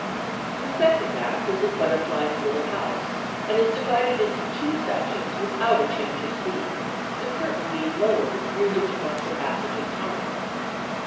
The second act is in Butterfly's little house, and is divided into two sections without a change of scene, the curtain being lowered merely to mark the passage of time.